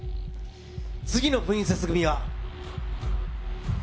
次のプリンセス組は。